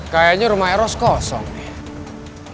kayaknya rumah eros kosong nih